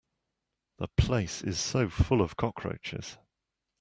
The place is so full of cockroaches.